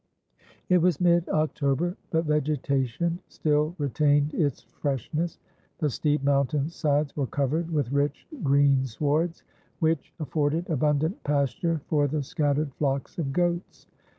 It was mid October, but vegetation still retained its freshness. The steep mountain sides were covered with rich greenswards, which afforded abundant pasture for the scattered flocks of goats.